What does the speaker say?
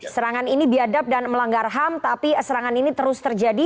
serangan ini biadab dan melanggar ham tapi serangan ini terus terjadi